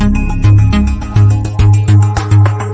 วิ่งเร็วมากครับ